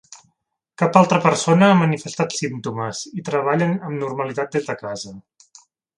Cap altra persona ha manifestat símptomes i treballen amb normalitat des de casa.